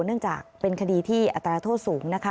เนื่องจากเป็นคดีที่อัตราโทษสูงนะคะ